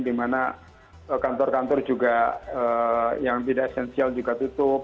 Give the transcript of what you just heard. dimana kantor kantor juga yang tidak esensial juga tutup